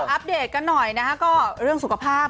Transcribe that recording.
อัปเดตกันหน่อยนะฮะก็เรื่องสุขภาพ